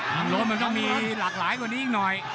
น้องรถมันต้องมีหลากหลายกว่านี้ยิ่งหน่อย